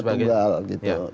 karena calonnya tunggal gitu